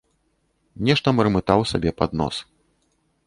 Нешта мармытаў сабе пад нос.